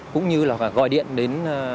cũng như là gọi điện đến